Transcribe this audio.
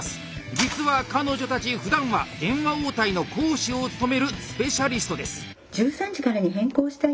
実は彼女たちふだんは電話応対の講師を務めるスペシャリストです。